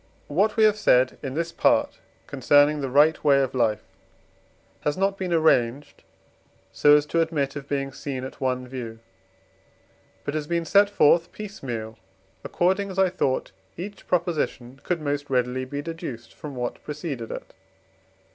What have said in this Part concerning the right way of life has not been arranged, so as to admit of being seen at one view, but has been set forth piece meal, according as I thought each Proposition could most readily be deduced from what preceded it.